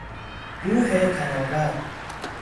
روح تناور